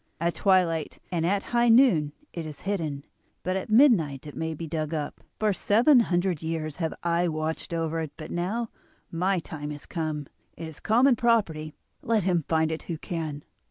At twilight and at high noon it is hidden, but at midnight it may be dug up. For seven hundred years have I watched over it, but now my time has come; it is common property, let him find it who can.